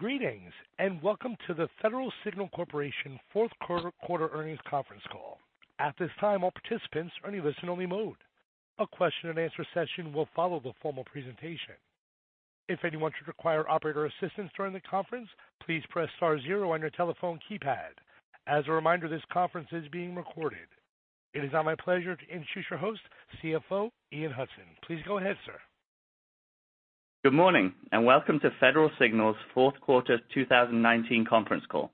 Greetings, welcome to the Federal Signal Corporation Fourth Quarter Earnings Conference Call. At this time, all participants are in listen-only mode. A question and answer session will follow the formal presentation. If anyone should require operator assistance during the conference, please press star zero on your telephone keypad. As a reminder, this conference is being recorded. It is now my pleasure to introduce your host, CFO Ian Hudson. Please go ahead, sir. Good morning, welcome to Federal Signal's Fourth Quarter 2019 Conference Call.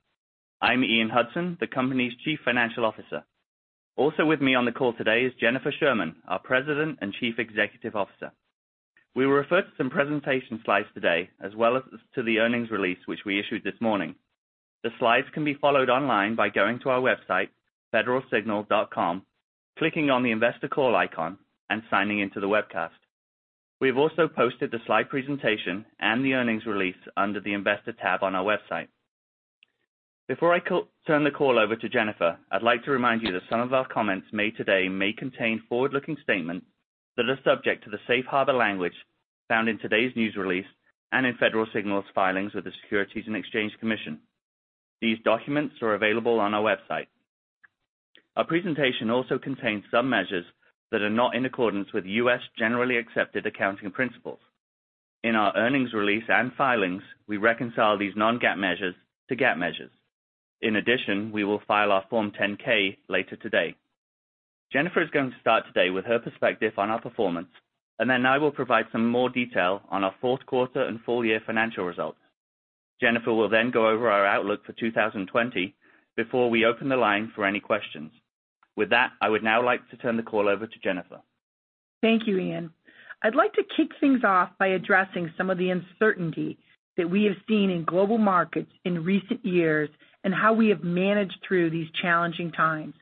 I'm Ian Hudson, the company's Chief Financial Officer. Also with me on the call today is Jennifer Sherman, our President and Chief Executive Officer. We will refer to some presentation slides today, as well as to the earnings release, which we issued this morning. The slides can be followed online by going to our website, federalsignal.com, clicking on the investor call icon, and signing in to the webcast. We have also posted the slide presentation and the earnings release under the investor tab on our website. Before I turn the call over to Jennifer, I'd like to remind you that some of our comments made today may contain forward-looking statements that are subject to the safe harbor language found in today's news release and in Federal Signal's filings with the Securities and Exchange Commission. These documents are available on our website. Our presentation also contains some measures that are not in accordance with US GAAP. In our earnings release and filings, we reconcile these non-GAAP measures to GAAP measures. In addition, we will file our Form 10-K later today. Jennifer is going to start today with her perspective on our performance, and then I will provide some more detail on our fourth quarter and full-year financial results. Jennifer will then go over our outlook for 2020 before we open the line for any questions. With that, I would now like to turn the call over to Jennifer. Thank you, Ian. I'd like to kick things off by addressing some of the uncertainty that we have seen in global markets in recent years and how we have managed through these challenging times.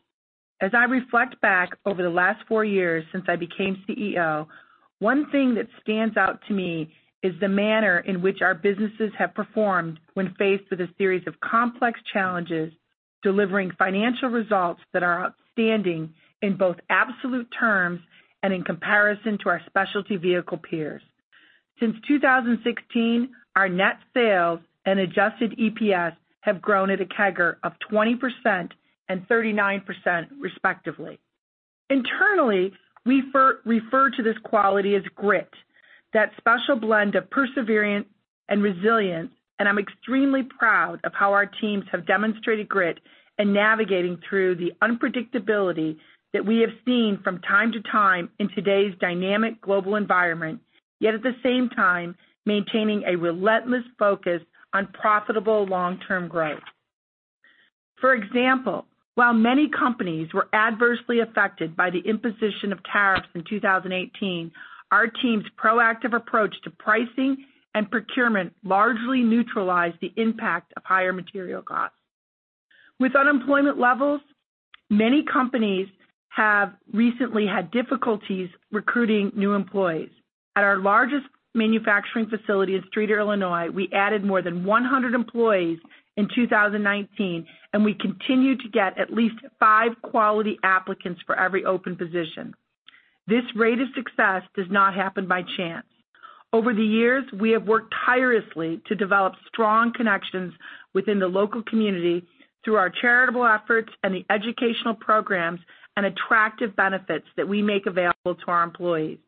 As I reflect back over the last four years since I became CEO, one thing that stands out to me is the manner in which our businesses have performed when faced with a series of complex challenges, delivering financial results that are outstanding in both absolute terms and in comparison to our specialty vehicle peers. Since 2016, our net sales and adjusted EPS have grown at a CAGR of 20% and 39% respectively. Internally, we refer to this quality as grit, that special blend of perseverance and resilience, and I'm extremely proud of how our teams have demonstrated grit in navigating through the unpredictability that we have seen from time to time in today's dynamic global environment. Yet, at the same time, maintaining a relentless focus on profitable long-term growth. For example, while many companies were adversely affected by the imposition of tariffs in 2018, our team's proactive approach to pricing and procurement largely neutralized the impact of higher material costs. With unemployment levels, many companies have recently had difficulties recruiting new employees. At our largest manufacturing facility in Streator, Illinois, we added more than 100 employees in 2019, and we continue to get at least five quality applicants for every open position. This rate of success does not happen by chance. Over the years, we have worked tirelessly to develop strong connections within the local community through our charitable efforts and the educational programs and attractive benefits that we make available to our employees.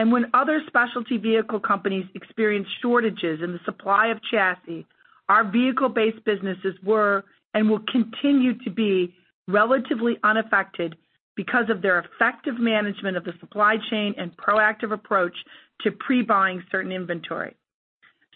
When other specialty vehicle companies experienced shortages in the supply of chassis, our vehicle-based businesses were, and will continue to be, relatively unaffected because of their effective management of the supply chain and proactive approach to pre-buying certain inventory.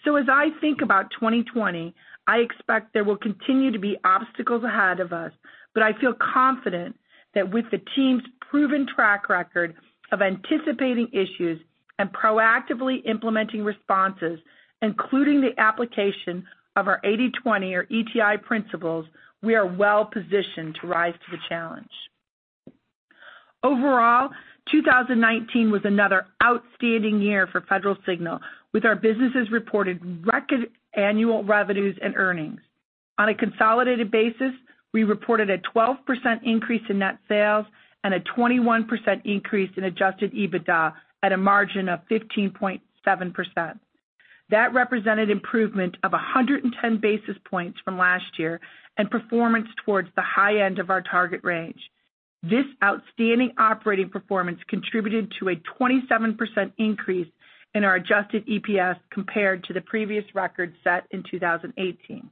As I think about 2020, I expect there will continue to be obstacles ahead of us, but I feel confident that with the team's proven track record of anticipating issues and proactively implementing responses, including the application of our 80/20 or ETI principles, we are well-positioned to rise to the challenge. Overall, 2019 was another outstanding year for Federal Signal with our businesses' reported record annual revenues and earnings. On a consolidated basis, we reported a 12% increase in net sales and a 21% increase in adjusted EBITDA at a margin of 15.7%. That represented improvement of 110 basis points from last year and performance towards the high end of our target range. This outstanding operating performance contributed to a 27% increase in our adjusted EPS compared to the previous record set in 2018.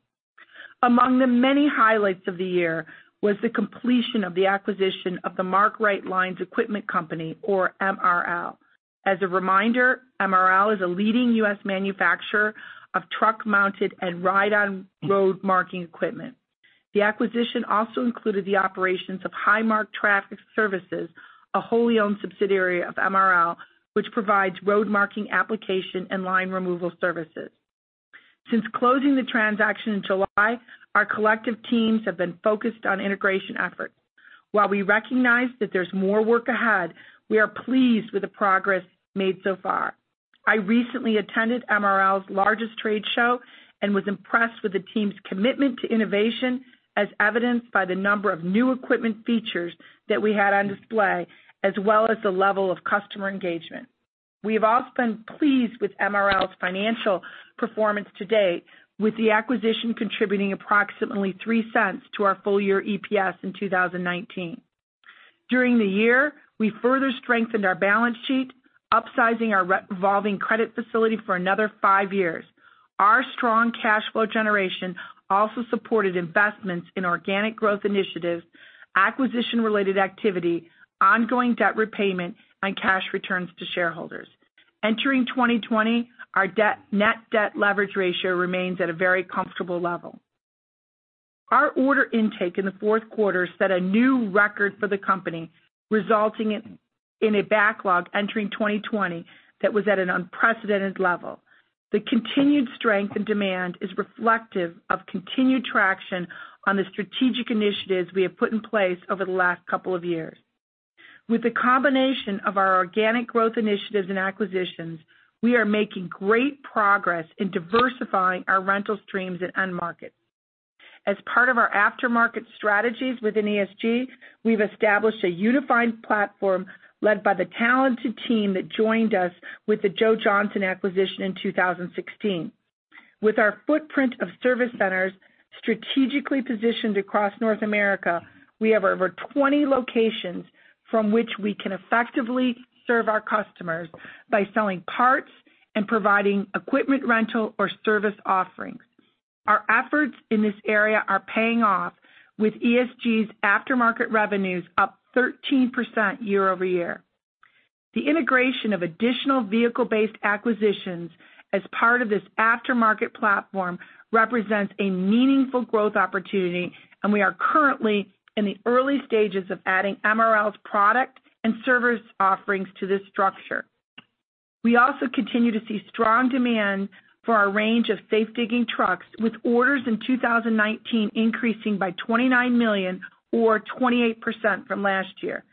Among the many highlights of the year was the completion of the acquisition of the Mark Rite Lines Equipment Company, or MRL. As a reminder, MRL is a leading U.S. manufacturer of truck-mounted and ride-on road marking equipment. The acquisition also included the operations of HighMark Traffic Services, a wholly owned subsidiary of MRL, which provides road marking application and line removal services. Since closing the transaction in July, our collective teams have been focused on integration efforts. While we recognize that there's more work ahead, we are pleased with the progress made so far. I recently attended MRL's largest trade show and was impressed with the team's commitment to innovation, as evidenced by the number of new equipment features that we had on display, as well as the level of customer engagement. We have all been pleased with MRL's financial performance to date, with the acquisition contributing approximately $0.03 to our full-year EPS in 2019. During the year, we further strengthened our balance sheet, upsizing our revolving credit facility for another five years. Our strong cash flow generation also supported investments in organic growth initiatives, acquisition-related activity, ongoing debt repayment, and cash returns to shareholders. Entering 2020, our net debt leverage ratio remains at a very comfortable level. Our order intake in the fourth quarter set a new record for the company, resulting in a backlog entering 2020 that was at an unprecedented level. The continued strength and demand is reflective of continued traction on the strategic initiatives we have put in place over the last couple of years. With the combination of our organic growth initiatives and acquisitions, we are making great progress in diversifying our rental streams and end markets. As part of our aftermarket strategies within Environmental Solutions Group, we've established a unified platform led by the talented team that joined us with the Joe Johnson Equipment acquisition in 2016. With our footprint of service centers strategically positioned across North America, we have over 20 locations from which we can effectively serve our customers by selling parts and providing equipment rental or service offerings. Our efforts in this area are paying off, with ESG's aftermarket revenues up 13% year-over-year. The integration of additional vehicle-based acquisitions as part of this aftermarket platform represents a meaningful growth opportunity, and we are currently in the early stages of adding MRL's product and service offerings to this structure. We also continue to see strong demand for our range of safe digging trucks, with orders in 2019 increasing by $29 million or 28% from last year.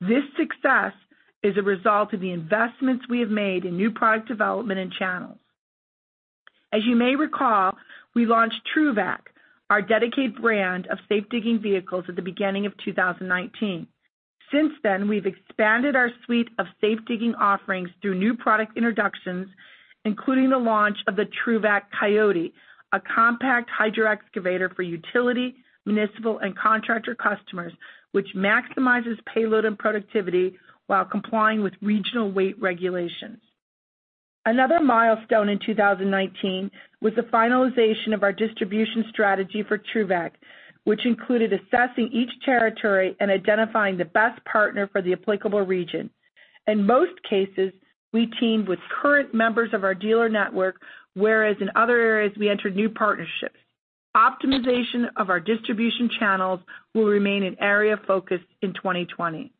This success is a result of the investments we have made in new product development and channels. As you may recall, we launched TRUVAC, our dedicated brand of safe digging vehicles, at the beginning of 2019. Since then, we've expanded our suite of safe digging offerings through new product introductions, including the launch of the TRUVAC Coyote, a compact hydroexcavator for utility, municipal, and contractor customers, which maximizes payload and productivity while complying with regional weight regulations. Another milestone in 2019 was the finalization of our distribution strategy for TRUVAC, which included assessing each territory and identifying the best partner for the applicable region. In most cases, we teamed with current members of our dealer network, whereas in other areas, we entered new partnerships. Optimization of our distribution channels will remain an area of focus in 2020.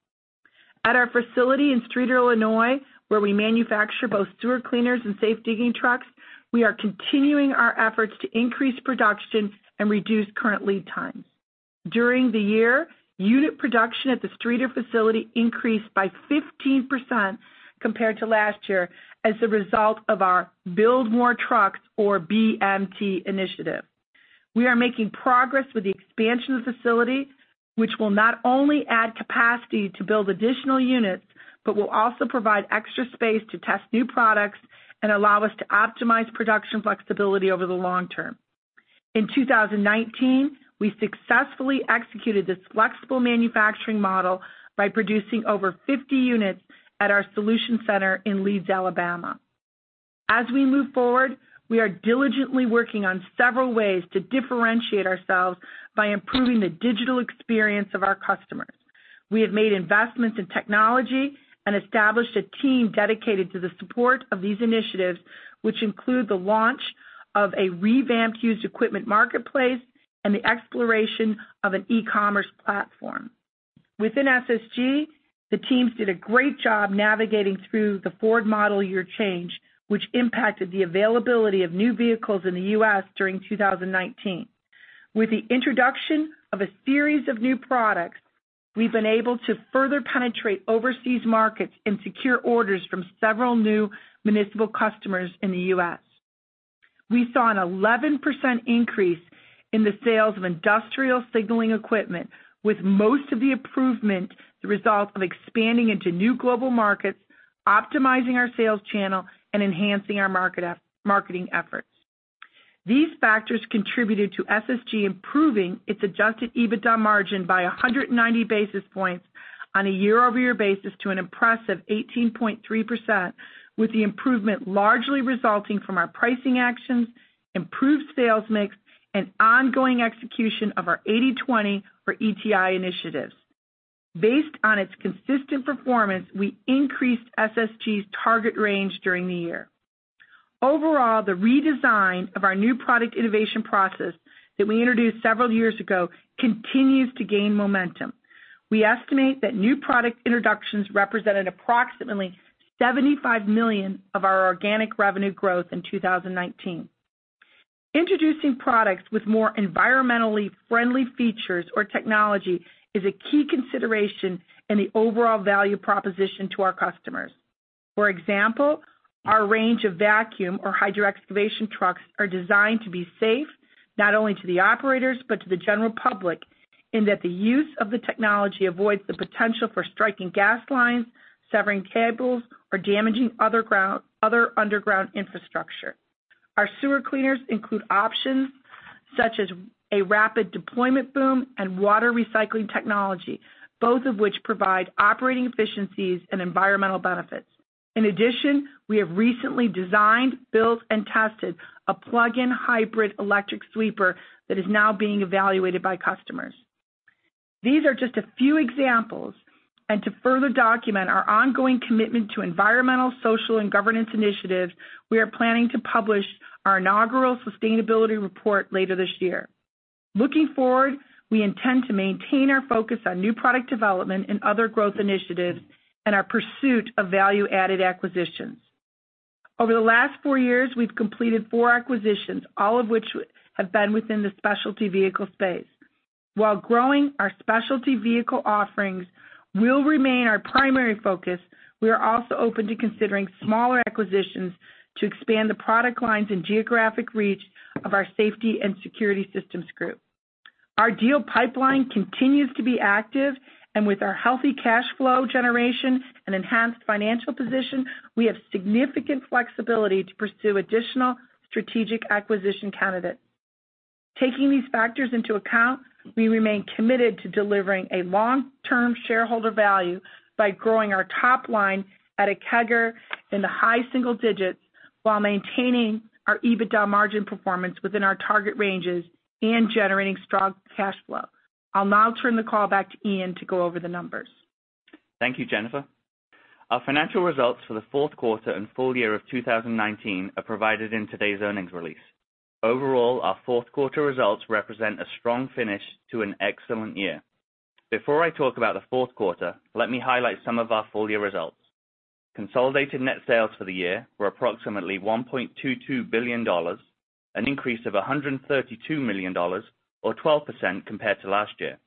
At our facility in Streator, Illinois, where we manufacture both sewer cleaners and safe digging trucks, we are continuing our efforts to increase production and reduce current lead times. During the year, unit production at the Streator facility increased by 15% compared to last year as a result of our Build More Trucks or BMT initiative. We are making progress with the expansion of the facility, which will not only add capacity to build additional units, but will also provide extra space to test new products and allow us to optimize production flexibility over the long term. In 2019, we successfully executed this flexible manufacturing model by producing over 50 units at our solution center in Leeds, Alabama. As we move forward, we are diligently working on several ways to differentiate ourselves by improving the digital experience of our customers. We have made investments in technology and established a team dedicated to the support of these initiatives, which include the launch of a revamped used equipment marketplace and the exploration of an e-commerce platform. Within SSG, the teams did a great job navigating through the Ford model year change, which impacted the availability of new vehicles in the U.S. during 2019. With the introduction of a series of new products, we've been able to further penetrate overseas markets and secure orders from several new municipal customers in the U.S. We saw an 11% increase in the sales of industrial signaling equipment, with most of the improvement the result of expanding into new global markets, optimizing our sales channel, and enhancing our marketing efforts. These factors contributed to SSG improving its adjusted EBITDA margin by 190 basis points on a year-over-year basis to an impressive 18.3%, with the improvement largely resulting from our pricing actions, improved sales mix, and ongoing execution of our 80/20 or ETI initiatives. Based on its consistent performance, we increased SSG's target range during the year. Overall, the redesign of our new product innovation process that we introduced several years ago continues to gain momentum. We estimate that new product introductions represented approximately $75 million of our organic revenue growth in 2019. Introducing products with more environmentally friendly features or technology is a key consideration in the overall value proposition to our customers. For example, our range of vacuum or hydroexcavation trucks are designed to be safe, not only to the operators, but to the general public, in that the use of the technology avoids the potential for striking gas lines, severing cables, or damaging other underground infrastructure. Our sewer cleaners include options such as a rapid deployment boom and water recycling technology, both of which provide operating efficiencies and environmental benefits. In addition, we have recently designed, built, and tested a plug-in hybrid electric sweeper that is now being evaluated by customers. These are just a few examples. To further document our ongoing commitment to environmental, social, and governance initiatives, we are planning to publish our inaugural sustainability report later this year. Looking forward, we intend to maintain our focus on new product development and other growth initiatives and our pursuit of value-added acquisitions. Over the last four years, we've completed four acquisitions, all of which have been within the specialty vehicle space. While growing our specialty vehicle offerings will remain our primary focus, we are also open to considering smaller acquisitions to expand the product lines and geographic reach of the Safety and Security Systems Group. Our deal pipeline continues to be active. With our healthy cash flow generation and enhanced financial position, we have significant flexibility to pursue additional strategic acquisition candidates. Taking these factors into account, we remain committed to delivering a long-term shareholder value by growing our top line at a CAGR in the high single digits while maintaining our EBITDA margin performance within our target ranges and generating strong cash flow. I'll now turn the call back to Ian to go over the numbers. Thank you, Jennifer. Our financial results for the fourth quarter and full-year of 2019 are provided in today's earnings release. Overall, our fourth quarter results represent a strong finish to an excellent year. Before I talk about the fourth quarter, let me highlight some of our full-year results. Consolidated net sales for the year were approximately $1.22 billion, an increase of $132 million or 12% compared to last year.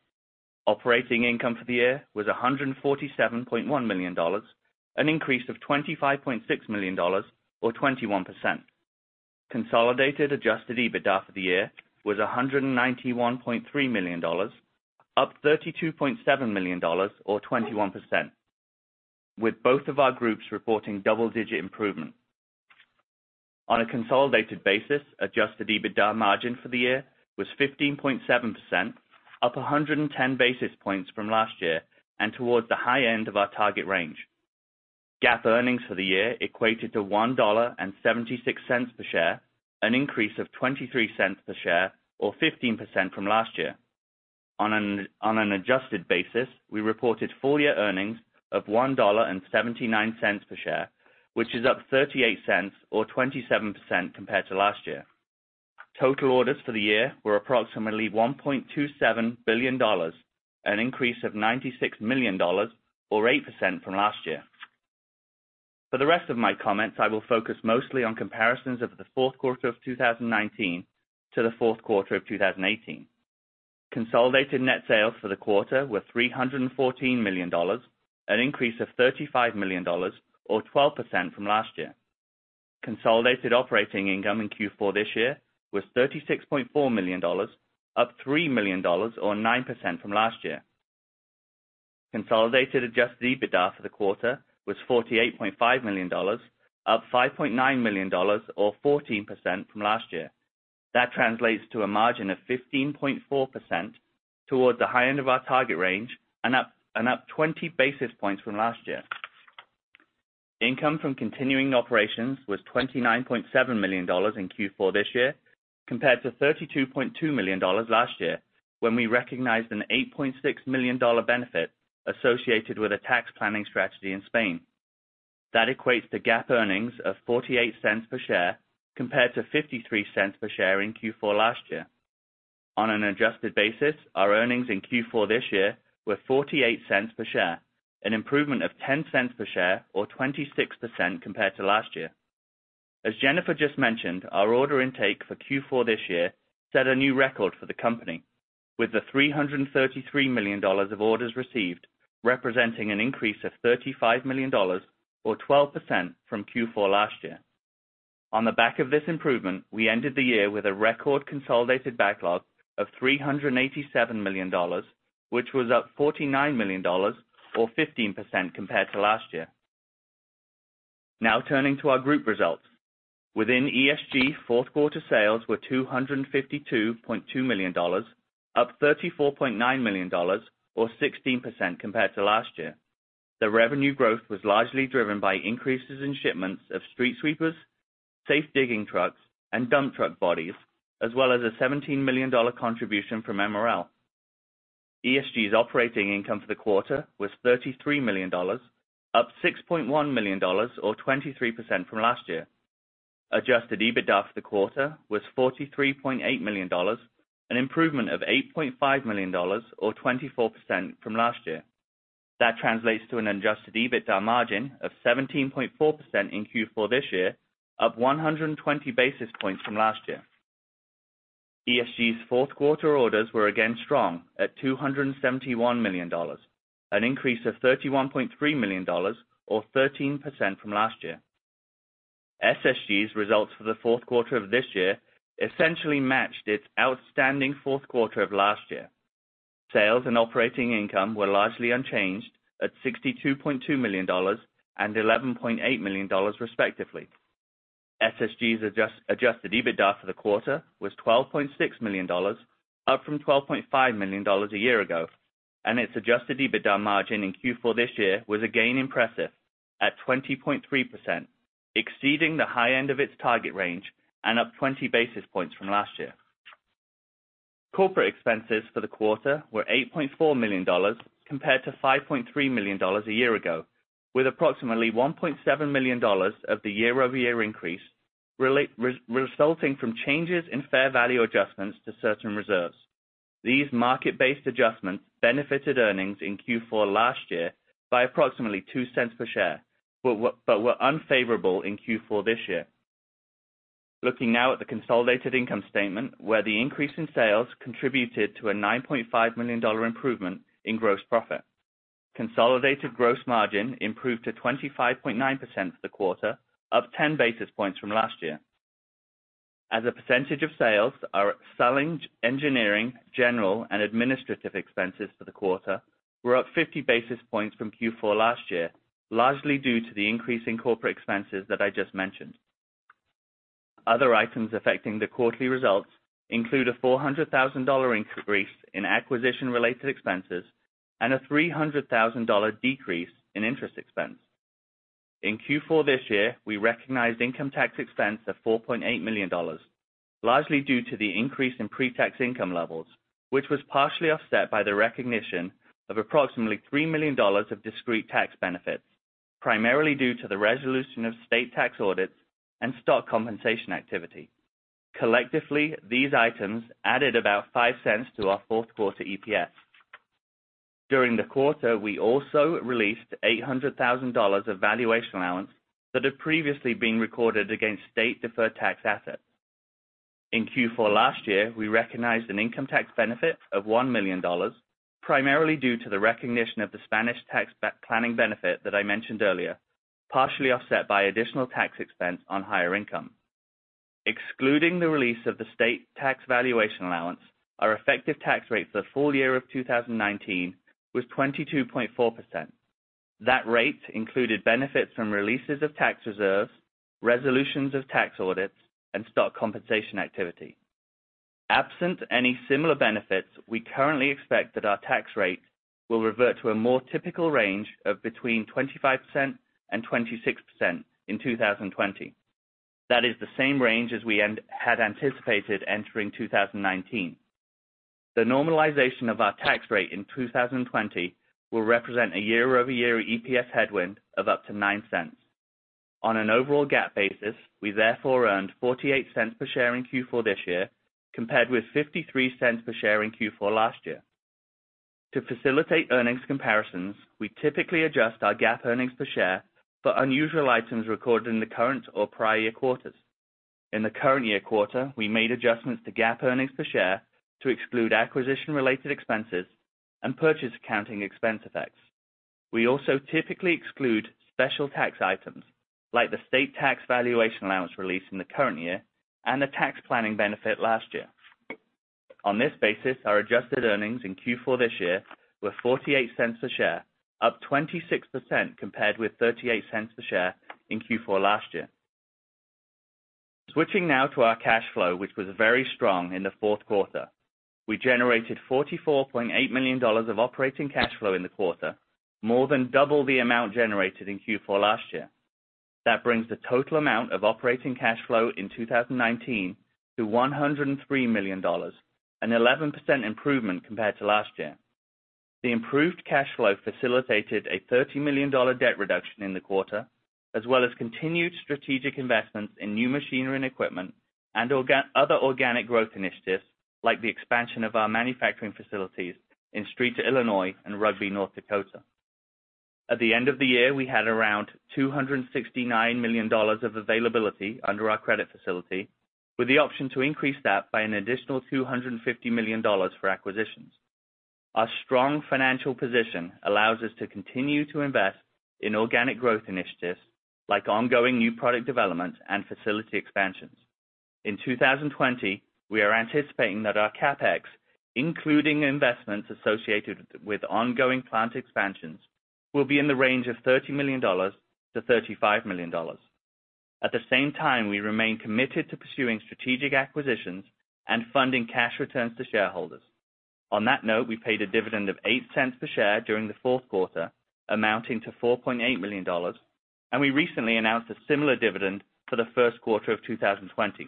Operating income for the year was $147.1 million, an increase of $25.6 million or 21%. Consolidated adjusted EBITDA for the year was $191.3 million, up $32.7 million or 21%, with both of our groups reporting double-digit improvement. On a consolidated basis, adjusted EBITDA margin for the year was 15.7%, up 110 basis points from last year and towards the high end of our target range. GAAP earnings for the year equated to $1.76 per share, an increase of $0.23 per share or 15% from last year. On an adjusted basis, we reported full-year earnings of $1.79 per share, which is up $0.38 or 27% compared to last year. Total orders for the year were approximately $1.27 billion, an increase of $96 million or 8% from last year. For the rest of my comments, I will focus mostly on comparisons of the fourth quarter of 2019 to the fourth quarter of 2018. Consolidated net sales for the quarter were $314 million, an increase of $35 million or 12% from last year. Consolidated operating income in Q4 this year was $36.4 million, up $3 million or 9% from last year. Consolidated adjusted EBITDA for the quarter was $48.5 million, up $5.9 million or 14% from last year. That translates to a margin of 15.4% toward the high-end of our target range and up 20 basis points from last year. Income from continuing operations was $29.7 million in Q4 this year, compared to $32.2 million last year, when we recognized an $8.6 million benefit associated with a tax planning strategy in Spain. That equates to GAAP earnings of $0.48 per share compared to $0.53 per share in Q4 last year. On an adjusted basis, our earnings in Q4 this year were $0.48 per share, an improvement of $0.10 per share or 26% compared to last year. As Jennifer just mentioned, our order intake for Q4 this year set a new record for the company with the $333 million of orders received representing an increase of $35 million or 12% from Q4 last year. On the back of this improvement, we ended the year with a record consolidated backlog of $387 million, which was up $49 million or 15% compared to last year. Turning to our group results. Within ESG, fourth quarter sales were $252.2 million, up $34.9 million or 16% compared to last year. The revenue growth was largely driven by increases in shipments of street sweepers, safe digging trucks, and dump truck bodies, as well as a $17 million contribution from MRL. ESG's operating income for the quarter was $33 million, up $6.1 million or 23% from last year. Adjusted EBITDA for the quarter was $43.8 million, an improvement of $8.5 million or 24% from last year. That translates to an adjusted EBITDA margin of 17.4% in Q4 this year, up 120 basis points from last year. ESG's fourth quarter orders were again strong at $271 million, an increase of $31.3 million or 13% from last year. SSG's results for the fourth quarter of this year essentially matched its outstanding fourth quarter of last year. Sales and operating income were largely unchanged at $62.2 million and $11.8 million, respectively. SSG's adjusted EBITDA for the quarter was $12.6 million, up from $12.5 million a year ago, and its adjusted EBITDA margin in Q4 this year was again impressive at 20.3%, exceeding the high-end of its target range and up 20 basis points from last year. Corporate expenses for the quarter were $8.4 million compared to $5.3 million a year ago, with approximately $1.7 million of the year-over-year increase resulting from changes in fair value adjustments to certain reserves. These market-based adjustments benefited earnings in Q4 last year by approximately $0.02 per share but were unfavorable in Q4 this year. Looking now at the consolidated income statement where the increase in sales contributed to a $9.5 million improvement in gross profit. Consolidated gross margin improved to 25.9% for the quarter, up 10 basis points from last year. As a percentage of sales are selling, engineering, general, and administrative expenses for the quarter were up 50 basis points from Q4 last year, largely due to the increase in corporate expenses that I just mentioned. Other items affecting the quarterly results include a $400,000 increase in acquisition-related expenses and a $300,000 decrease in interest expense. In Q4 this year, we recognized income tax expense of $4.8 million, largely due to the increase in pre-tax income levels, which was partially offset by the recognition of approximately $3 million of discrete tax benefits, primarily due to the resolution of state tax audits and stock compensation activity. Collectively, these items added about $0.05 to our fourth quarter EPS. During the quarter, we also released $800,000 of valuation allowance that had previously been recorded against state deferred tax assets. In Q4 last year, we recognized an income tax benefit of $1 million, primarily due to the recognition of the Spanish tax planning benefit that I mentioned earlier, partially offset by additional tax expense on higher income. Excluding the release of the state tax valuation allowance, our effective tax rate for the full-year of 2019 was 22.4%. That rate included benefits from releases of tax reserves, resolutions of tax audits, and stock compensation activity. Absent any similar benefits, we currently expect that our tax rate will revert to a more typical range of between 25% and 26% in 2020. That is the same range as we had anticipated entering 2019. The normalization of our tax rate in 2020 will represent a year-over-year EPS headwind of up to $0.09. On an overall GAAP basis, we therefore earned $0.48 per share in Q4 this year, compared with $0.53 per share in Q4 last year. To facilitate earnings comparisons, we typically adjust our GAAP earnings per share for unusual items recorded in the current or prior year quarters. In the current year quarter, we made adjustments to GAAP earnings per share to exclude acquisition-related expenses and purchase accounting expense effects. We also typically exclude special tax items like the state tax valuation allowance release in the current year and the tax planning benefit last year. On this basis, our adjusted earnings in Q4 this year were $0.48 per share, up 26% compared with $0.38 per share in Q4 last year. Switching now to our cash flow, which was very strong in the fourth quarter. We generated $44.8 million of operating cash flow in the quarter, more than double the amount generated in Q4 last year. That brings the total amount of operating cash flow in 2019 to $103 million, an 11% improvement compared to last year. The improved cash flow facilitated a $30 million debt reduction in the quarter, as well as continued strategic investments in new machinery and equipment and other organic growth initiatives, like the expansion of our manufacturing facilities in Streator, Illinois and Rugby, North Dakota. At the end of the year, we had around $269 million of availability under our credit facility, with the option to increase that by an additional $250 million for acquisitions. Our strong financial position allows us to continue to invest in organic growth initiatives like ongoing new product developments and facility expansions. In 2020, we are anticipating that our CapEx, including investments associated with ongoing plant expansions, will be in the range of $30 million-$35 million. At the same time, we remain committed to pursuing strategic acquisitions and funding cash returns to shareholders. On that note, we paid a dividend of $0.08 per share during the fourth quarter, amounting to $4.8 million. We recently announced a similar dividend for the first quarter of 2020.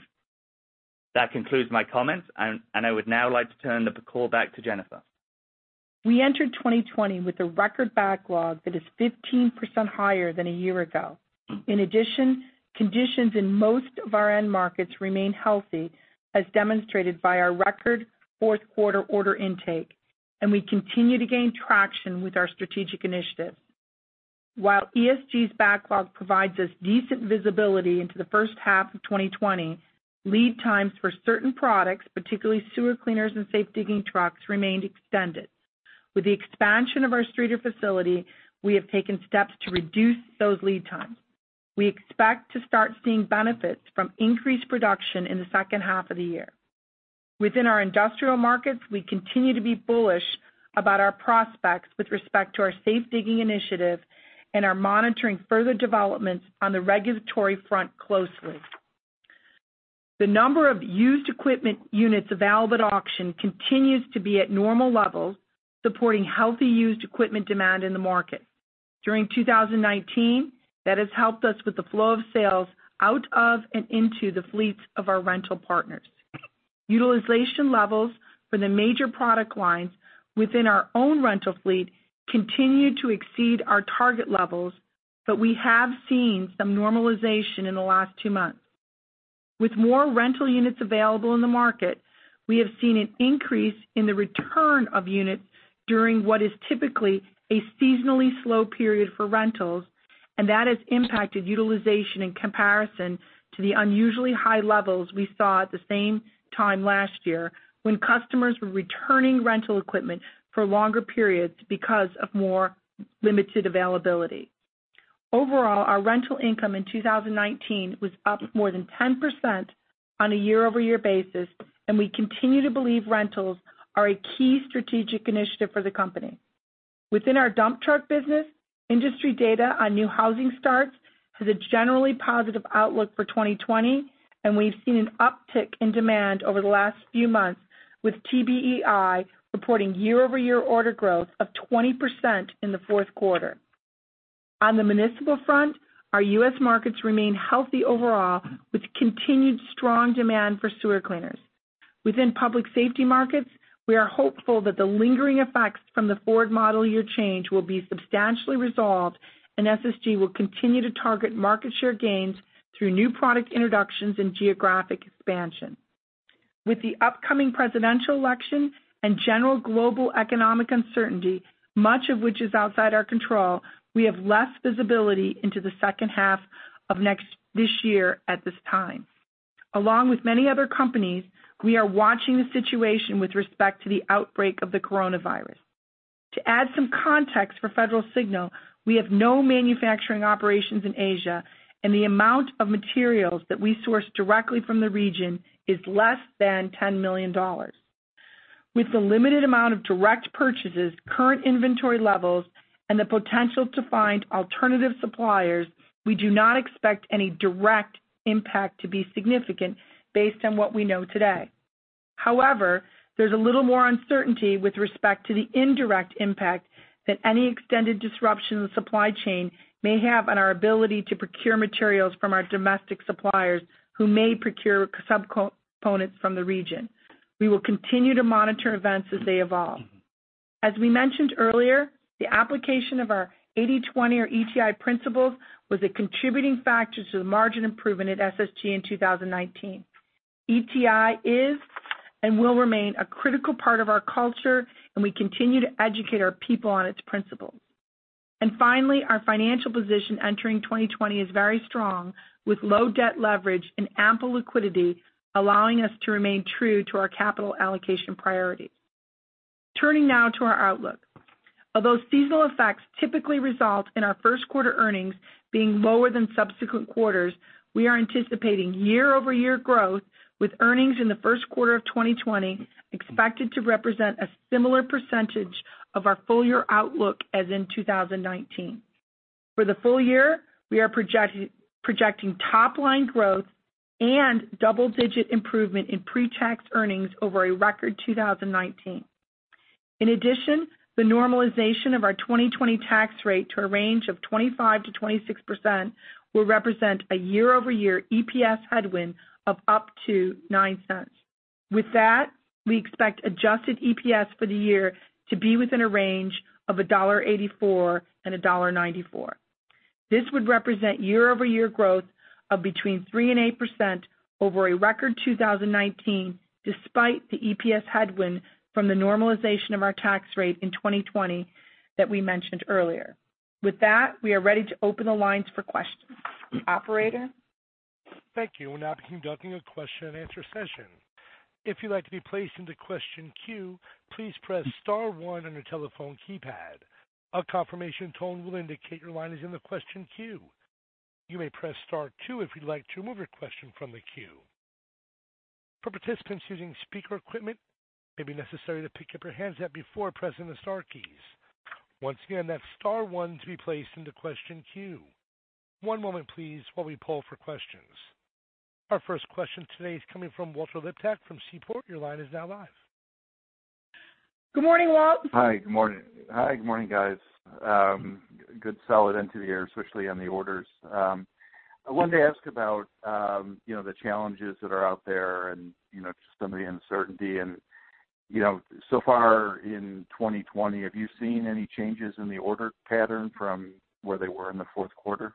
That concludes my comments. I would now like to turn the call back to Jennifer. We entered 2020 with a record backlog that is 15% higher than a year ago. In addition, conditions in most of our end markets remain healthy, as demonstrated by our record fourth quarter order intake, and we continue to gain traction with our strategic initiatives. While ESG's backlog provides us decent visibility into the first half of 2020, lead times for certain products, particularly sewer cleaners and safe digging trucks, remained extended. With the expansion of our Streator facility, we have taken steps to reduce those lead times. We expect to start seeing benefits from increased production in the second half of the year. Within our industrial markets, we continue to be bullish about our prospects with respect to our safe digging initiative and are monitoring further developments on the regulatory front closely. The number of used equipment units available at auction continues to be at normal levels, supporting healthy used equipment demand in the market. During 2019, that has helped us with the flow of sales out of and into the fleets of our rental partners. Utilization levels for the major product lines within our own rental fleet continue to exceed our target levels, but we have seen some normalization in the last two months. With more rental units available in the market, we have seen an increase in the return of units during what is typically a seasonally slow period for rentals, and that has impacted utilization in comparison to the unusually high levels we saw at the same time last year, when customers were returning rental equipment for longer periods because of more limited availability. Overall, our rental income in 2019 was up more than 10% on a year-over-year basis, and we continue to believe rentals are a key strategic initiative for the company. Within our dump truck business, industry data on new housing starts has a generally positive outlook for 2020, and we've seen an uptick in demand over the last few months, with TBEI reporting year-over-year order growth of 20% in the fourth quarter. On the municipal front, our U.S. markets remain healthy overall, with continued strong demand for sewer cleaners. Within public safety markets, we are hopeful that the lingering effects from the Ford model year change will be substantially resolved, and SSG will continue to target market share gains through new product introductions and geographic expansion. With the upcoming presidential election and general global economic uncertainty, much of which is outside our control, we have less visibility into the second half of this year at this time. Along with many other companies, we are watching the situation with respect to the outbreak of the coronavirus. To add some context for Federal Signal, we have no manufacturing operations in Asia, and the amount of materials that we source directly from the region is less than $10 million. With the limited amount of direct purchases, current inventory levels, and the potential to find alternative suppliers, we do not expect any direct impact to be significant based on what we know today. However, there's a little more uncertainty with respect to the indirect impact that any extended disruption in supply chain may have on our ability to procure materials from our domestic suppliers, who may procure subcomponents from the region. We will continue to monitor events as they evolve. As we mentioned earlier, the application of our 80/20 or ETI principles was a contributing factor to the margin improvement at SSG in 2019. ETI is and will remain a critical part of our culture, and we continue to educate our people on its principles. Finally, our financial position entering 2020 is very strong, with low debt leverage and ample liquidity, allowing us to remain true to our capital allocation priority. Turning now to our outlook. Although seasonal effects typically result in our first quarter earnings being lower than subsequent quarters, we are anticipating year-over-year growth, with earnings in the first quarter of 2020 expected to represent a similar percentage of our full-year outlook as in 2019. For the full-year, we are projecting top-line growth and double-digit improvement in pre-tax earnings over a record 2019. In addition, the normalization of our 2020 tax rate to a range of 25%-26% will represent a year-over-year EPS headwind of up to $0.09. With that, we expect adjusted EPS for the year to be within a range of $1.84 and $1.94. This would represent year-over-year growth of between 3% and 8% over a record 2019, despite the EPS headwind from the normalization of our tax rate in 2020 that we mentioned earlier. With that, we are ready to open the lines for questions. Operator? Thank you. We're now conducting a question and answer session. If you'd like to be placed into question queue, please press star one on your telephone keypad. A confirmation tone will indicate your line is in the question queue. You may press start two if you'd like to remove your question from the queue. For participants using speaker equipment, it may be necessary to pick up your handset before pressing the star keys. Once again, that's star one to be placed into question queue. One moment, please, while we poll for questions. Our first question today is coming from Walter Liptak from Seaport Global. Your line is now live. Good morning, Walt. Hi. Good morning, guys. Good solid end to the year, especially on the orders. I wanted to ask about the challenges that are out there and just some of the uncertainty. So far in 2020, have you seen any changes in the order pattern from where they were in the fourth quarter?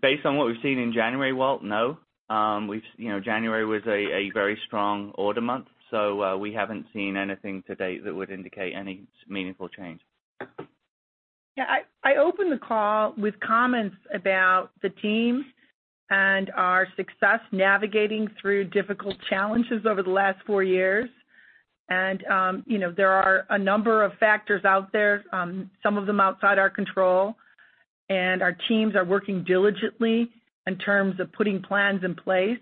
Based on what we've seen in January, Walt, no. January was a very strong order month. We haven't seen anything to date that would indicate any meaningful change. Yeah. I opened the call with comments about the team and our success navigating through difficult challenges over the last four years. There are a number of factors out there, some of them outside our control, and our teams are working diligently in terms of putting plans in place.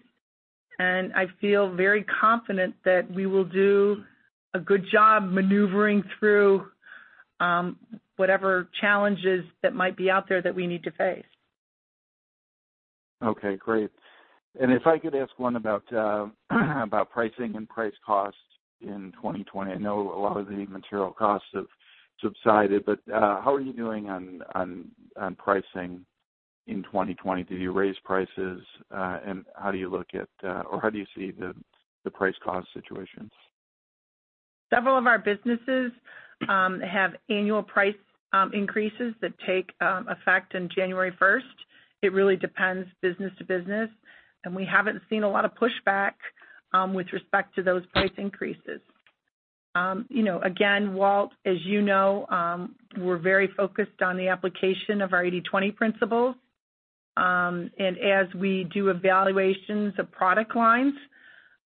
I feel very confident that we will do a good job maneuvering through whatever challenges that might be out there that we need to face. Okay, great. If I could ask one about pricing and price cost in 2020. I know a lot of the material costs have subsided, but how are you doing on pricing in 2020? Did you raise prices? How do you look at, or how do you see the price cost situation? Several of our businesses have annual price increases that take effect in January 1st. It really depends business to business, and we haven't seen a lot of pushback with respect to those price increases. Again, Walt, as you know, we're very focused on the application of our 80/20 principles. As we do evaluations of product lines,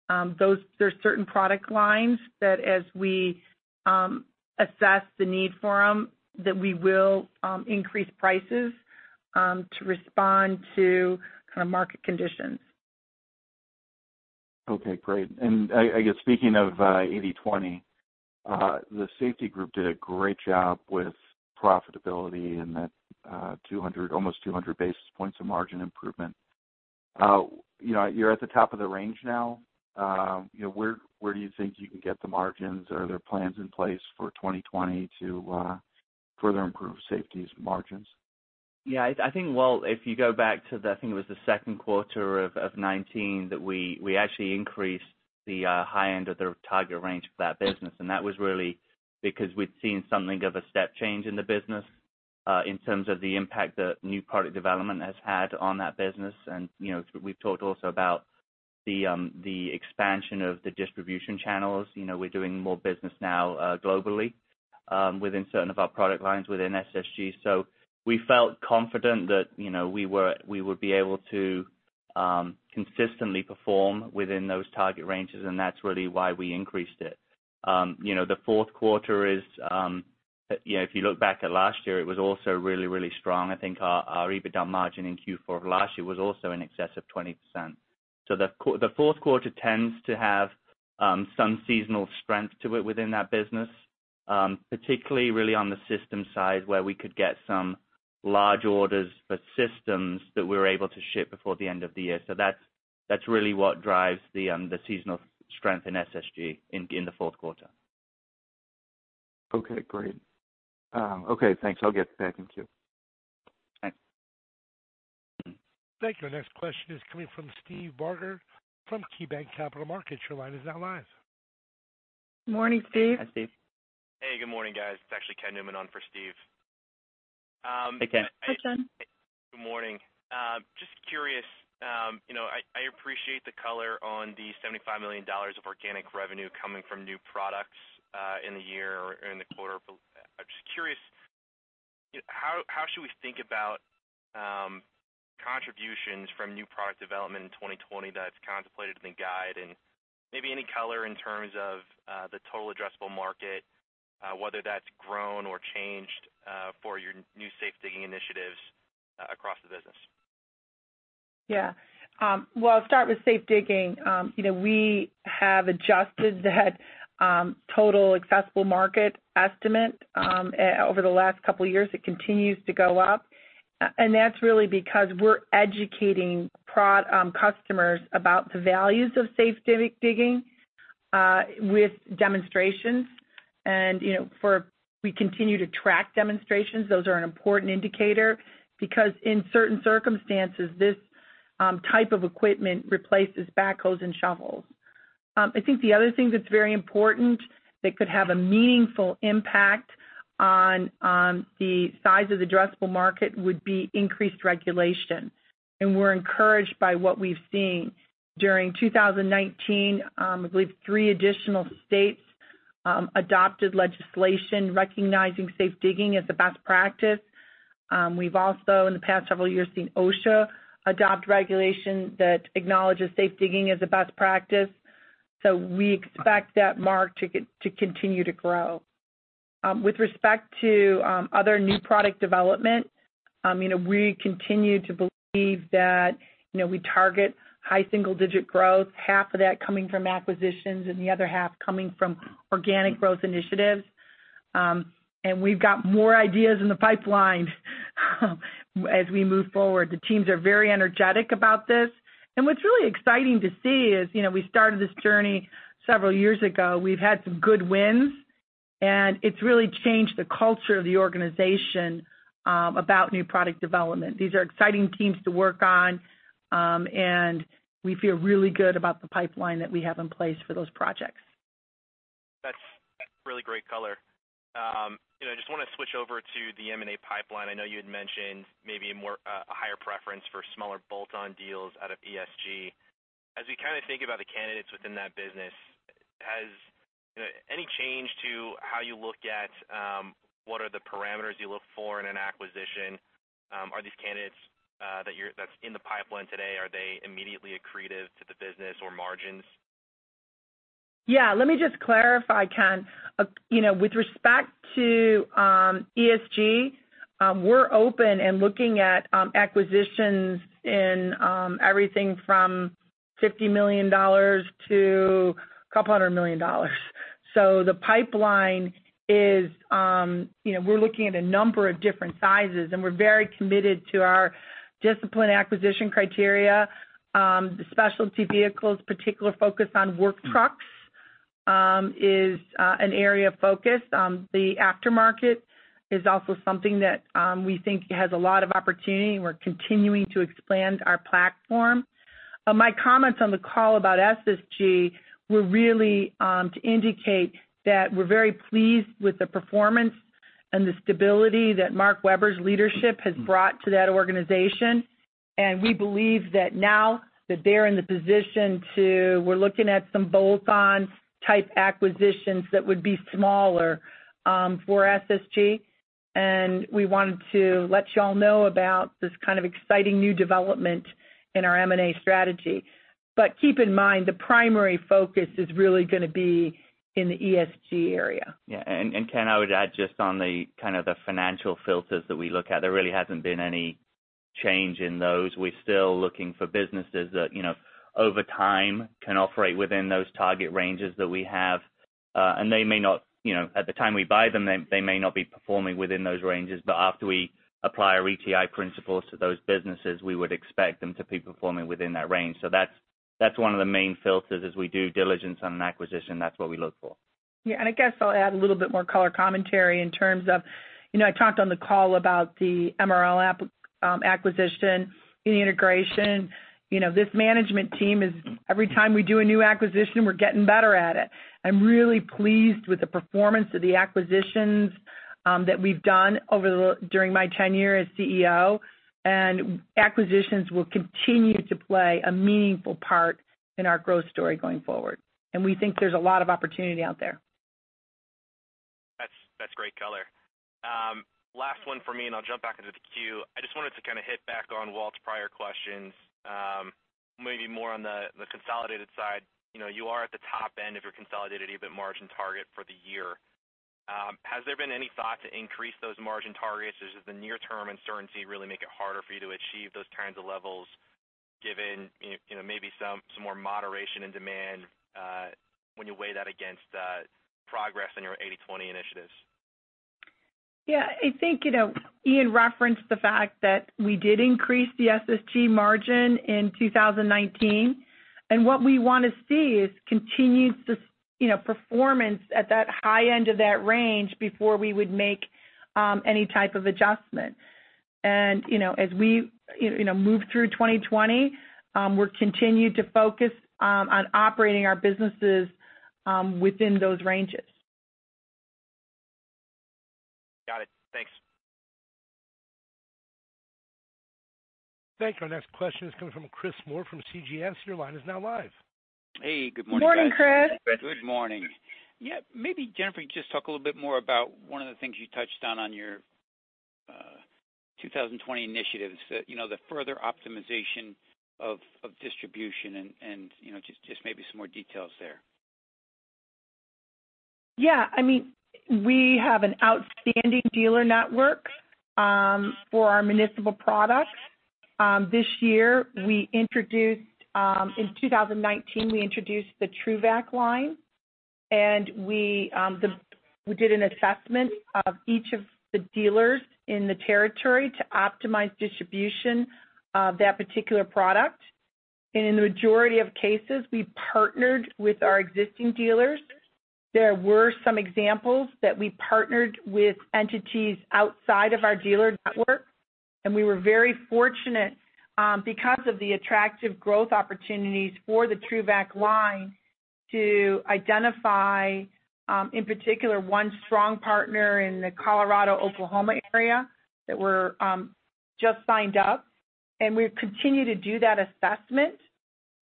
there's certain product lines that as we assess the need for them, that we will increase prices to respond to market conditions. Okay, great. I guess speaking of 80/20, the safety group did a great job with profitability in that almost 200 basis points of margin improvement. You're at the top of the range now. Where do you think you can get the margins? Are there plans in place for 2020 to further improve safety's margins? Yeah. I think, Walt, if you go back to the, I think it was the second quarter of 2019, that we actually increased the high-end of the target range for that business, and that was really because we'd seen something of a step change in the business in terms of the impact that new product development has had on that business. We've talked also about the expansion of the distribution channels. We're doing more business now globally within certain of our product lines within SSG. We felt confident that we would be able to consistently perform within those target ranges, and that's really why we increased it. The fourth quarter is, if you look back at last year, it was also really, really strong. I think our EBITDA margin in Q4 of last year was also in excess of 20%. The fourth quarter tends to have some seasonal strength to it within that business. Particularly, really on the systems side, where we could get some large orders for systems that we were able to ship before the end of the year. That's really what drives the seasonal strength in SSG in the fourth quarter. Okay, great. Okay, thanks. I'll get that. Thank you. Thanks. Thank you. Next question is coming from Steve Barger from KeyBanc Capital Markets. Your line is now live. Morning, Steve. Hi, Steve. Hey, good morning, guys. It's actually Ken Newman on for Steve. Hey, Ken. Hi, Ken. Good morning. Just curious, I appreciate the color on the $75 million of organic revenue coming from new products in the year or in the quarter. I'm just curious, how should we think about contributions from new product development in 2020 that's contemplated in the guide? Maybe any color in terms of the total addressable market, whether that's grown or changed for your new safe digging initiatives across the business. Yeah. Well, I'll start with safe digging. We have adjusted that total accessible market estimate over the last couple of years. It continues to go up. That's really because we're educating customers about the values of safe digging with demonstrations. We continue to track demonstrations. Those are an important indicator because in certain circumstances, this type of equipment replaces backhoes and shovels. I think the other thing that's very important that could have a meaningful impact on the size of the addressable market would be increased regulation. We're encouraged by what we've seen. During 2019, I believe three additional states adopted legislation recognizing safe digging as a best practice. We've also, in the past several years, seen OSHA adopt regulation that acknowledges safe digging as a best practice. We expect that mark to continue to grow. With respect to other new product development, we continue to believe that we target high single-digit growth, half of that coming from acquisitions, and the other half coming from organic growth initiatives. We've got more ideas in the pipeline as we move forward. The teams are very energetic about this. What's really exciting to see is, we started this journey several years ago. We've had some good wins, and it's really changed the culture of the organization about new product development. These are exciting teams to work on, and we feel really good about the pipeline that we have in place for those projects. Really great color. I just want to switch over to the M&A pipeline. I know you had mentioned maybe a higher preference for smaller bolt-on deals out of ESG. As we kind of think about the candidates within that business, any change to how you look at what are the parameters you look for in an acquisition? Are these candidates that's in the pipeline today, are they immediately accretive to the business or margins? Let me just clarify, Ken. With respect to ESG, we're open and looking at acquisitions in everything from $50 million-$200 million. The pipeline is, we're looking at a number of different sizes, and we're very committed to our discipline acquisition criteria. The specialty vehicles particular focus on work trucks, is an area of focus. The aftermarket is also something that we think has a lot of opportunity, and we're continuing to expand our platform. My comments on the call about SSG were really to indicate that we're very pleased with the performance and the stability that Mark Weber's leadership has brought to that organization. We believe that now that they're in the position to, we're looking at some bolt-on type acquisitions that would be smaller for SSG. We wanted to let you all know about this kind of exciting new development in our M&A strategy. Keep in mind, the primary focus is really going to be in the ESG area. Yeah. Ken, I would add just on the kind of the financial filters that we look at, there really hasn't been any change in those. We're still looking for businesses that, over time, can operate within those target ranges that we have. They may not, at the time we buy them, they may not be performing within those ranges, but after we apply our ETI principles to those businesses, we would expect them to be performing within that range. That's one of the main filters as we do diligence on an acquisition. That's what we look for. Yeah, I guess I'll add a little bit more color commentary in terms of, I talked on the call about the MRL acquisition and integration. This management team is every time we do a new acquisition, we're getting better at it. I'm really pleased with the performance of the acquisitions that we've done during my tenure as CEO. Acquisitions will continue to play a meaningful part in our growth story going forward. We think there's a lot of opportunity out there. That's great color. Last one from me, and I'll jump back into the queue. I just wanted to kind of hit back on Walt's prior questions, maybe more on the consolidated side. You are at the top end of your consolidated EBIT margin target for the year. Has there been any thought to increase those margin targets, or does the near-term uncertainty really make it harder for you to achieve those kinds of levels given maybe some more moderation in demand, when you weigh that against progress on your 80/20 initiatives? I think Ian referenced the fact that we did increase the SSG margin in 2019. What we want to see is continued performance at that high end of that range before we would make any type of adjustment. As we move through 2020, we'll continue to focus on operating our businesses within those ranges. Got it. Thanks. Thank you. Our next question is coming from Chris Moore from CJS Securities. Your line is now live. Hey, good morning, guys. Morning, Chris. Good morning. Maybe, Jennifer, you just talk a little bit more about one of the things you touched on on your 2020 initiatives, the further optimization of distribution and just maybe some more details there. Yeah, we have an outstanding dealer network for our municipal products. In 2019, we introduced the TRUVAC line, and we did an assessment of each of the dealers in the territory to optimize distribution of that particular product. In the majority of cases, we partnered with our existing dealers. There were some examples that we partnered with entities outside of our dealer network, and we were very fortunate because of the attractive growth opportunities for the TRUVAC line to identify, in particular, one strong partner in the Colorado-Oklahoma area that we're just signed up. We continue to do that assessment,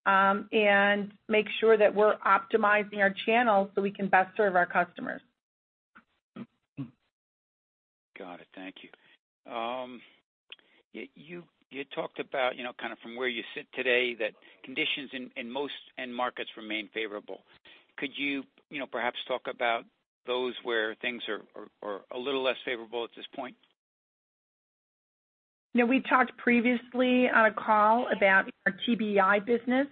and make sure that we're optimizing our channels so we can best serve our customers. Got it. Thank you. You talked about, kind of from where you sit today, that conditions in most end markets remain favorable. Could you perhaps talk about those where things are a little less favorable at this point? We talked previously on a call about our TBEI business.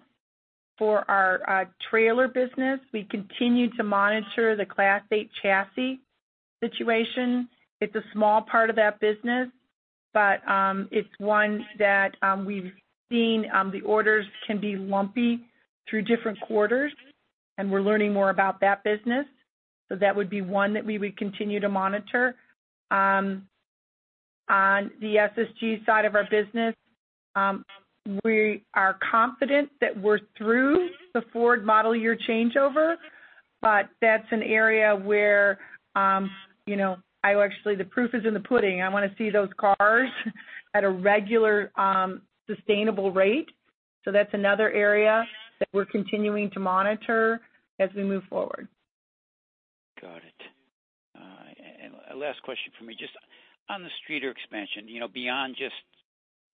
For our trailer business, we continue to monitor the Class 8 chassis situation. It's a small part of that business, but it's one that we've seen the orders can be lumpy through different quarters, and we're learning more about that business. That would be one that we would continue to monitor. On the SSG side of our business, we are confident that we're through the Ford model year changeover, but that's an area where actually the proof is in the pudding. I want to see those cars at a regular, sustainable rate. That's another area that we're continuing to monitor as we move forward. Got it. Last question from me, just on the Streator expansion, beyond just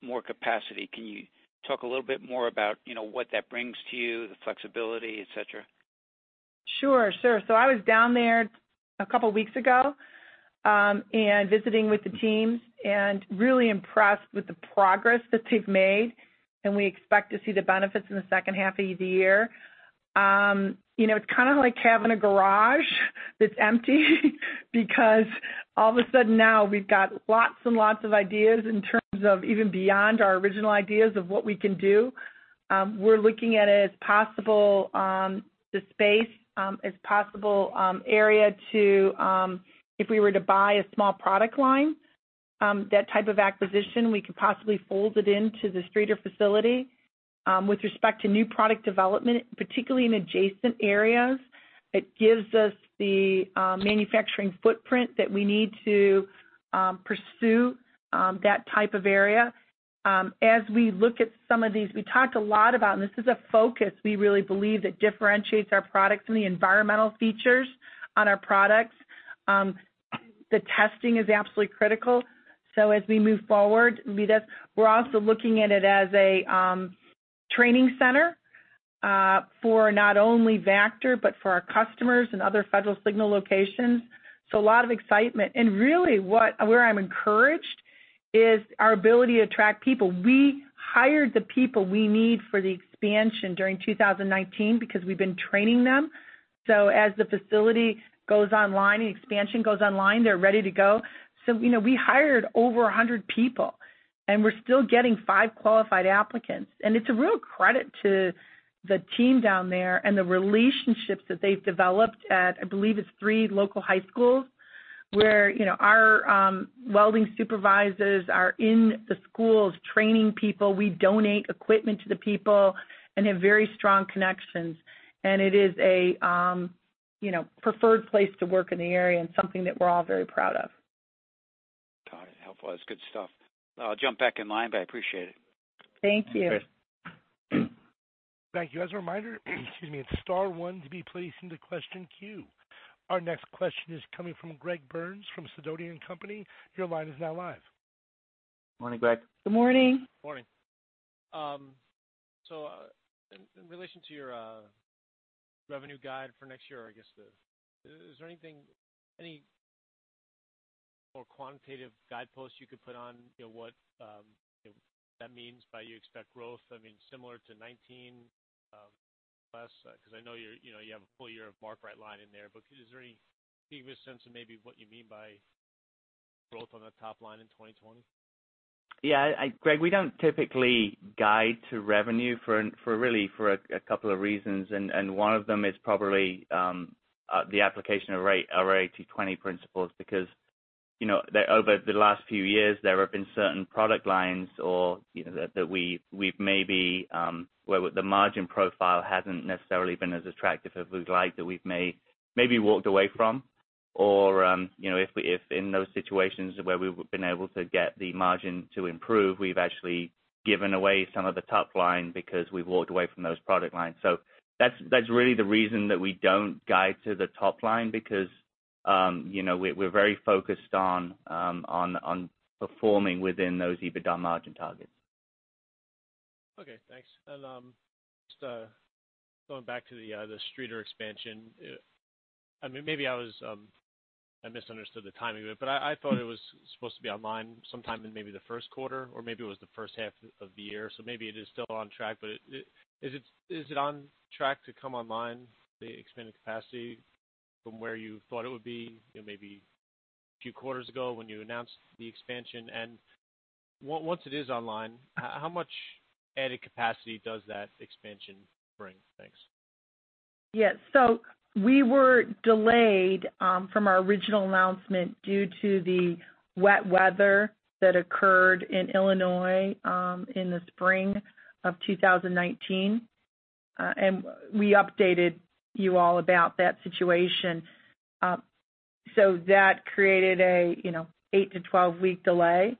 more capacity, can you talk a little bit more about what that brings to you, the flexibility, et cetera? I was down there a couple of weeks ago, and visiting with the teams, and really impressed with the progress that they've made, and we expect to see the benefits in the second half of the year. It's kind of like having a garage that's empty because all of a sudden now we've got lots and lots of ideas in terms of even beyond our original ideas of what we can do. We're looking at it as possible, the space as possible area to, if we were to buy a small product line, that type of acquisition, we could possibly fold it into the Streator facility. With respect to new product development, particularly in adjacent areas, it gives us the manufacturing footprint that we need to pursue that type of area. As we look at some of these, we talked a lot about, and this is a focus we really believe that differentiates our products and the environmental features on our products. The testing is absolutely critical. As we move forward, we're also looking at it as a training center, for not only Vactor, but for our customers and other Federal Signal locations. A lot of excitement. And really where I'm encouraged is our ability to attract people. We hired the people we need for the expansion during 2019 because we've been training them. As the facility goes online and expansion goes online, they're ready to go. We hired over 100 people, and we're still getting five qualified applicants. It's a real credit to the team down there and the relationships that they've developed at, I believe it's three local high schools, where our welding supervisors are in the schools training people. We donate equipment to the people and have very strong connections. It is a preferred place to work in the area and something that we're all very proud of. Got it. Helpful. That's good stuff. I'll jump back in line, but I appreciate it. Thank you. Okay. Thank you. As a reminder, excuse me, it's star one to be placed into question queue. Our next question is coming from Gregory Burns from Sidoti & Company. Your line is now live. Morning, Greg. Good morning. Morning. In relation to your revenue guide for next year, I guess, is there any more quantitative guideposts you could put on what that means by you expect growth? Similar to 2019+? I know you have a full-year of Mark Rite Lines in there, but is there any sense of maybe what you mean by growth on the top line in 2020? Yeah. Greg, we don't typically guide to revenue for really for a couple of reasons, and one of them is probably the application of our 80/20 principles because over the last few years, there have been certain product lines or that we've maybe, where the margin profile hasn't necessarily been as attractive as we'd like, that we've maybe walked away from, or if in those situations where we've been able to get the margin to improve, we've actually given away some of the top line because we've walked away from those product lines. That's really the reason that we don't guide to the top line because we're very focused on performing within those EBITDA margin targets. Okay, thanks. Just going back to the Streator expansion. Maybe I misunderstood the timing of it, but I thought it was supposed to be online sometime in maybe the first quarter, or maybe it was the first half of the year, so maybe it is still on track. Is it on track to come online, the expanded capacity from where you thought it would be maybe a few quarters ago when you announced the expansion? Once it is online, how much added capacity does that expansion bring? Thanks. Yeah. We were delayed from our original announcement due to the wet weather that occurred in Illinois in the spring of 2019. We updated you all about that situation. That created a eight to 12-week delay.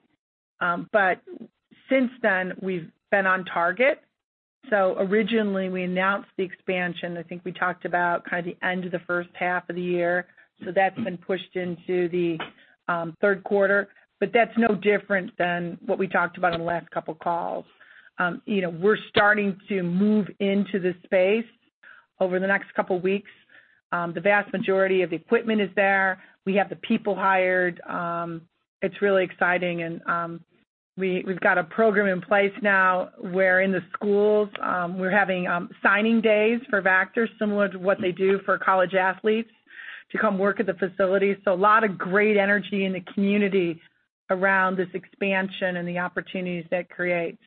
Since then, we've been on target. Originally, we announced the expansion, I think we talked about kind of the end of the first half of the year. That's been pushed into the third quarter, but that's no different than what we talked about on the last couple of calls. We're starting to move into the space over the next couple of weeks. The vast majority of the equipment is there. We have the people hired. It's really exciting. We've got a program in place now where in the schools, we're having signing days for Vactor, similar to what they do for college athletes to come work at the facility. A lot of great energy in the community around this expansion and the opportunities that creates.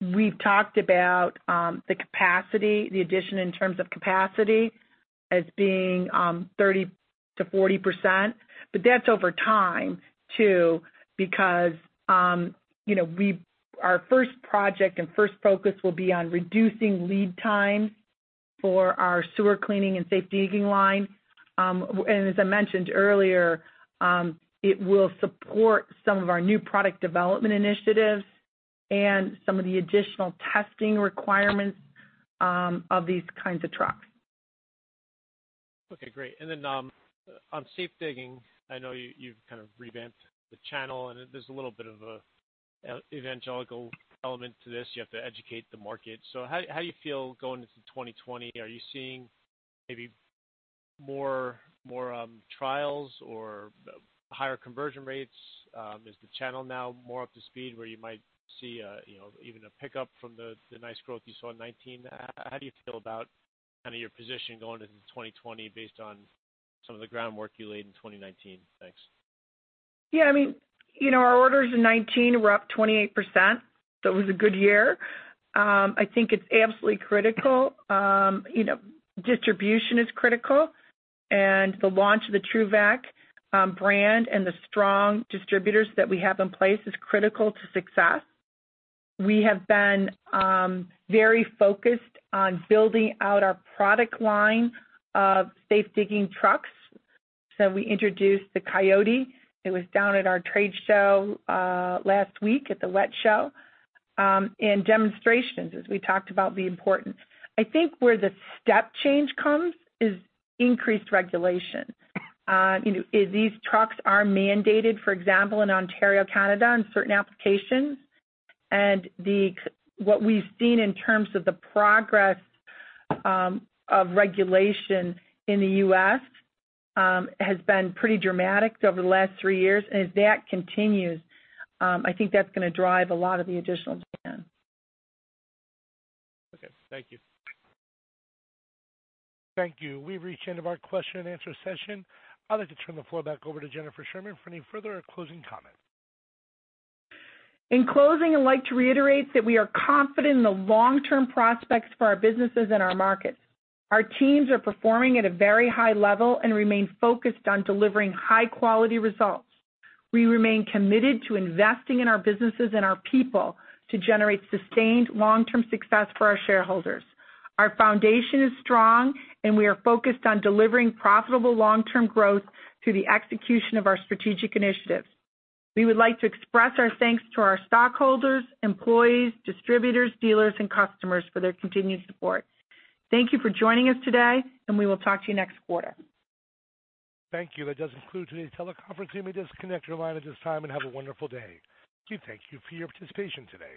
We've talked about the addition in terms of capacity as being 30%-40%, but that's over time, too. Our first project and first focus will be on reducing lead times for our sewer cleaning and safe digging line. As I mentioned earlier, it will support some of our new product development initiatives and some of the additional testing requirements of these kinds of trucks. Okay, great. Then on safe digging, I know you've kind of revamped the channel, and there's a little bit of a evangelical element to this. You have to educate the market. How do you feel going into 2020? Are you seeing maybe more trials or higher conversion rates? Is the channel now more up to speed where you might see even a pickup from the nice growth you saw in 2019? How do you feel about kind of your position going into 2020 based on some of the groundwork you laid in 2019? Thanks. Yeah. Our orders in 2019 were up 28%. It was a good year. I think it's absolutely critical. Distribution is critical. The launch of the TRUVAC brand and the strong distributors that we have in place is critical to success. We have been very focused on building out our product line of safe digging trucks. We introduced the Coyote. It was down at our trade show last week at the WWETT show. Demonstrations, as we talked about, the importance. I think where the step change comes is increased regulation. These trucks are mandated, for example, in Ontario, Canada, on certain applications. What we've seen in terms of the progress of regulation in the U.S. has been pretty dramatic over the last three years. As that continues, I think that's going to drive a lot of the additional demand. Okay, thank you. Thank you. We've reached the end of our question and answer session. I'd like to turn the floor back over to Jennifer Sherman for any further or closing comment. In closing, I'd like to reiterate that we are confident in the long-term prospects for our businesses and our markets. Our teams are performing at a very high level and remain focused on delivering high-quality results. We remain committed to investing in our businesses and our people to generate sustained long-term success for our shareholders. Our foundation is strong, and we are focused on delivering profitable long-term growth through the execution of our strategic initiatives. We would like to express our thanks to our stockholders, employees, distributors, dealers, and customers for their continued support. Thank you for joining us today, and we will talk to you next quarter. Thank you. That does conclude today's teleconference. You may disconnect your line at this time, and have a wonderful day. We thank you for your participation today.